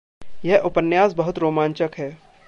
यह उपन्यास बहुत रोमांचक है।